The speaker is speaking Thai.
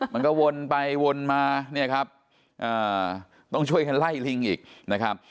มันก็วนไปวนมาเนี่ยครับต้องช่วยกันไล่ลิงอีกนะครับ